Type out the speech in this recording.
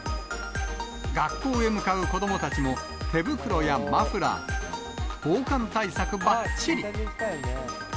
学校へ向かう子どもたちも、手袋やマフラー、防寒対策ばっちり。